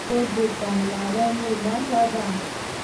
کور د پاملرنې نښه ده.